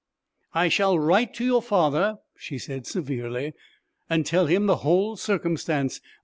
'I shall write to your father,' she said, severely, 'and tell him the whole circumstance.